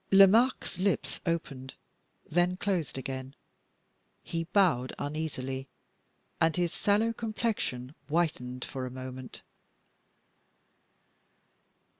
Lomaque's lips opened, then closed again; he bowed uneasily, and his sallow complexion whitened for a moment.